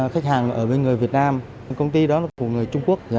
khách hàng ở bên người việt nam công ty đó là của người trung quốc